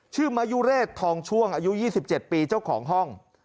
มายุเรศทองช่วงอายุ๒๗ปีเจ้าของห้อง